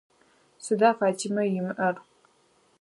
Сыда Фатимэ имыӏэр?